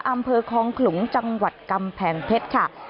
อำเภอคลองขลุงจังหวัดกำแพงเพชรค่ะ